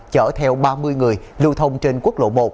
chở theo ba mươi người lưu thông trên quốc lộ một